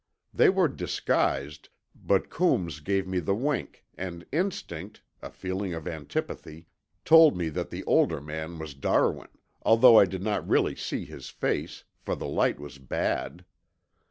They were disguised, but Coombs gave me the wink, and instinct, a feeling of antipathy, told me that the older man was Darwin, although I did not really see his face, for the light was bad.